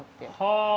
はあ。